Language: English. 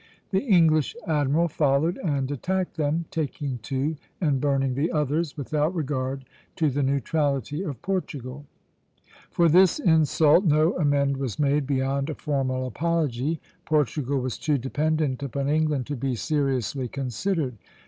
The English admiral followed and attacked them, taking two and burning the others, without regard to the neutrality of Portugal. For this insult no amend was made beyond a formal apology; Portugal was too dependent upon England to be seriously considered.